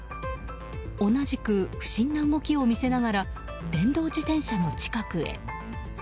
同じく不審な動きを見せながら電動自転車の近くへ。